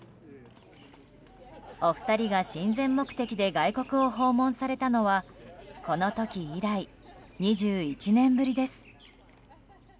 お二人が親善目的で外国を訪問されたのはこの時以来、２１年ぶりです。